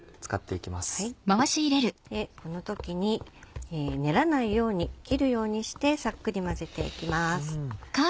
この時に練らないように切るようにしてさっくり混ぜていきます。